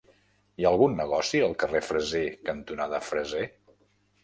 Hi ha algun negoci al carrer Freser cantonada Freser?